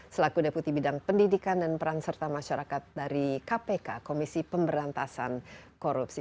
selaku deputi bidang pendidikan dan peran serta masyarakat dari kpk komisi pemberantasan korupsi